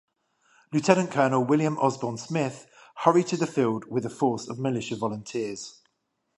Lieutenant-Colonel William Osborne Smith hurried to the field with a force of militia volunteers.